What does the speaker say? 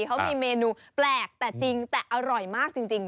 เขามีเมนูแปลกแต่จริงแต่อร่อยมากจริง